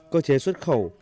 cơ chế xuất khẩu